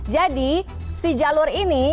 jadi si jalur ini